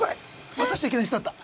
待たしちゃいけない人だった！